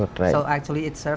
terima kasih chef